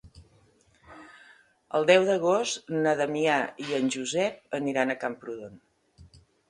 El deu d'agost na Damià i en Josep aniran a Camprodon.